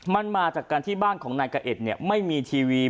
มันมาจากการที่บ้านของนายกะเอ็ดเนี่ยไม่มีทีวี